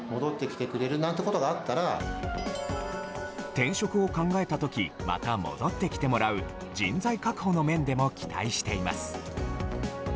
転職を考えた時また戻ってきてもらう人材確保の面でも期待しています。